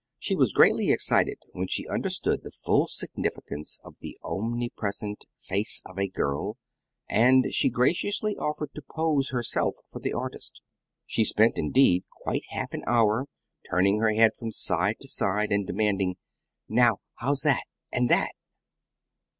She was greatly excited when she understood the full significance of the omnipresent "Face of a Girl"; and she graciously offered to pose herself for the artist. She spent, indeed, quite half an hour turning her head from side to side, and demanding "Now how's that? and that?"